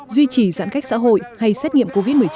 duy trì giãn cách xã hội hay xét nghiệm covid một mươi chín